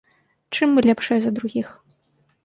Чым мы лепшыя за другіх?